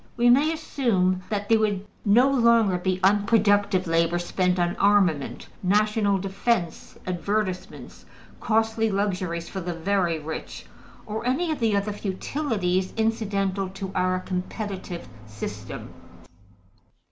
We may assume that there would no longer be unproductive labor spent on armaments, national defense, advertisements, costly luxuries for the very rich, or any of the other futilities incidental to our competitive system.